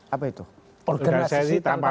apa itu organisasi tanpa